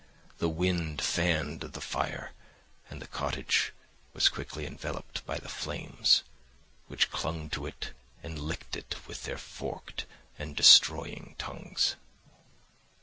The wind fanned the fire, and the cottage was quickly enveloped by the flames, which clung to it and licked it with their forked and destroying tongues.